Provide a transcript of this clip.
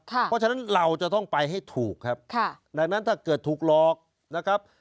เพราะฉะนั้นเราจะต้องไปให้ถูกครับดังนั้นถ้าเกิดถูกหลอกนะครับ